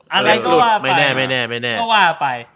อะไรก็ว่าไป